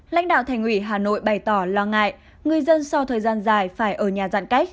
lãnh đạo thành ủy hà nội bày tỏ lo ngại người dân sau thời gian dài phải ở nhà giãn cách